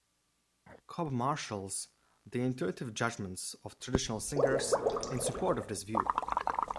Cobb marshals the intuitive judgments of traditional singers in support of this view.